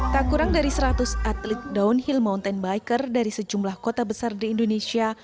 tak kurang dari seratus atlet downhill mountain biker dari sejumlah kota besar di indonesia